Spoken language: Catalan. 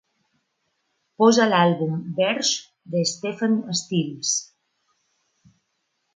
Posa l'àlbum Verge de Stephen Stills.